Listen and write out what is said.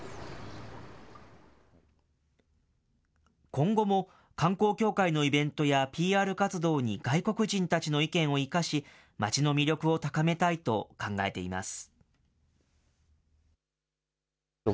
今後も観光協会のイベントやＰＲ活動に外国人たちの意見を生かし、町の魅力を高めたいと考えています。